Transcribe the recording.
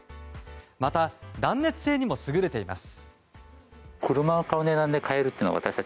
また、断熱性にも優れています。